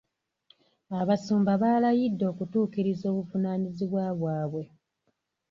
Abasumba baalayidde okutuukiriza obuvunaanyizibwa bwabwe.